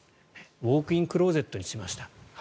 ウォークインクローゼットにしました。